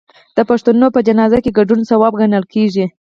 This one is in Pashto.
د پښتنو په جنازه کې ګډون ثواب ګڼل کیږي.